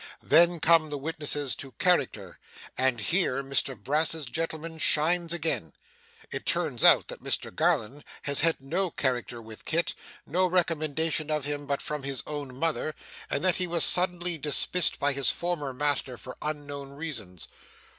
Then come the witnesses to character, and here Mr Brass's gentleman shines again. It turns out that Mr Garland has had no character with Kit, no recommendation of him but from his own mother, and that he was suddenly dismissed by his former master for unknown reasons.